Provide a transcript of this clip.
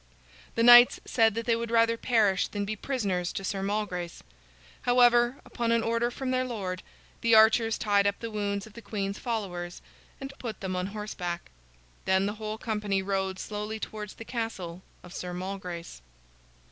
The knights said that they would rather perish than be prisoners to Sir Malgrace. However, upon an order from their lord, the archers tied up the wounds of the queen's followers, and put them on horseback. Then the whole company rode slowly towards the castle of Sir Malgrace.